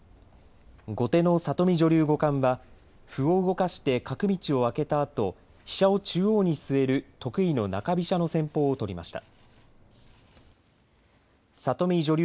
後手の里見女流５冠は歩を動かして角道を開けたあと飛車を中央に据える得意の中飛車の戦法を取りました。